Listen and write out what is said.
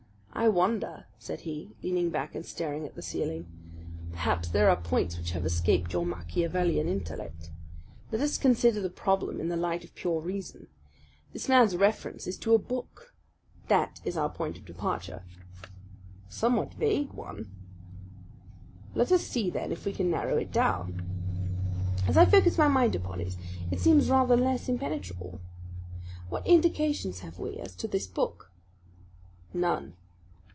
"I wonder!" said he, leaning back and staring at the ceiling. "Perhaps there are points which have escaped your Machiavellian intellect. Let us consider the problem in the light of pure reason. This man's reference is to a book. That is our point of departure." "A somewhat vague one." "Let us see then if we can narrow it down. As I focus my mind upon it, it seems rather less impenetrable. What indications have we as to this book?" "None."